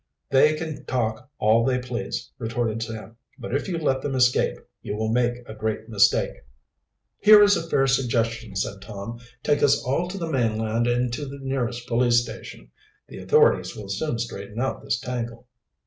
"They can talk all they please," retorted Sam. "But if you let them escape, you will make a great mistake." "Here is a fair suggestion," said Tom. "Take us all to the mainland and to the nearest police station. The authorities will soon straighten out this tangle."